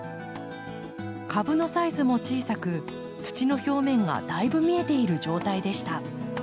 株のサイズも小さく土の表面がだいぶ見えている状態でした。